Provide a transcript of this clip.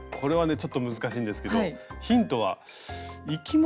ちょっと難しいんですけどヒントは生き物。